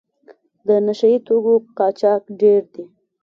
د نشه یي توکو قاچاق ډېر دی.